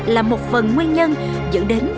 là một phần nguyên nhân dẫn đến các vấn đề này